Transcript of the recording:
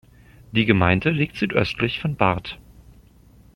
Die Gemeinde liegt südöstlich von Barth.